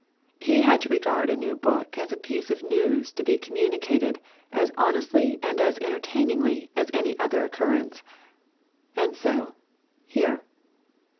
He had to regard a new book as a piece of news to be communicated as honestly and as entertainingly as any other occurrence. And so, here.